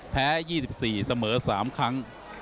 แพ้๒๔เสมอ๓ครั้ง